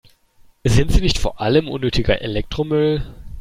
Sind sie nicht vor allem unnötiger Elektromüll?